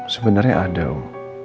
sebenarnya ada om